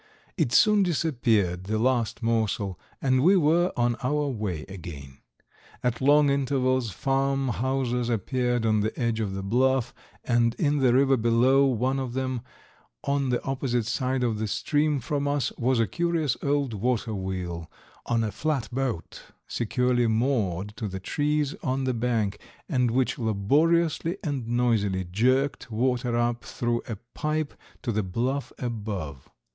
It soon disappeared, the last morsel, and we were on our way again. At long intervals farm houses appeared on the edge of the bluff, and in the river below one of them, on the opposite side of the stream from us, was a curious old water wheel on a flatboat securely moored to the trees on the bank, and which laboriously and noisily jerked water up through a pipe to the bluff above.